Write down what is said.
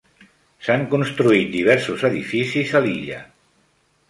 S'han construït diversos edificis a l'illa.